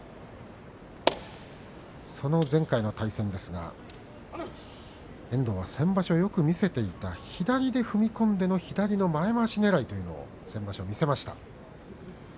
その前回の対戦ですが遠藤は先場所よく見せていた左で踏み込んでの左の前まわしねらいというのを先場所、見せました。